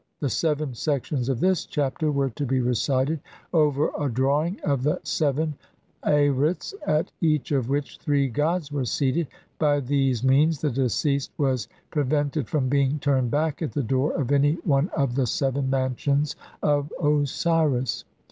The seven sections of this Chapter were to be recited over a drawing of the Seven Arits, at each of which three gods were seated ; by these means the deceased was prevented from being turned back at the door of any one of the seven mansions of Osiris.